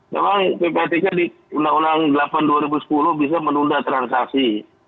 memang ppatk di undang undang delapan dua ribu sepuluh bisa menunda transaksi